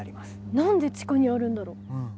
何で地下にあるんだろう？